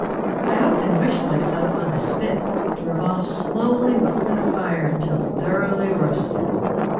I often wished myself on a spit, to revolve slowly before the fire until thoroughly roasted.